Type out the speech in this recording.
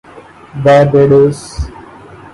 Barbados